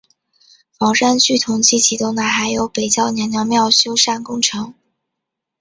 房山区同期启动的还有北窖娘娘庙修缮工程。